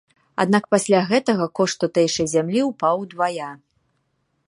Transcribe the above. Аднак пасля гэтага кошт тутэйшай зямлі ўпаў удвая.